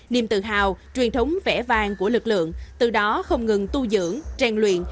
niềm tự hào truyền thống vẻ vang của lực lượng từ đó không ngừng tu dưỡng trang luyện